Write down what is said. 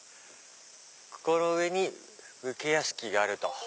ここの上に武家屋敷があると。